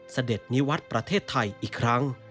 เสด็จนิวัตรประเทศไทยอีกครั้ง